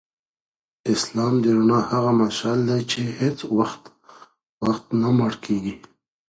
اسلام د رڼا هغه مشعل دی چي هیڅ وختنه مړ کیږي.